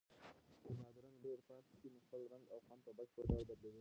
که بادرنګ ډېر پاتې شي نو خپل رنګ او خوند په بشپړ ډول بدلوي.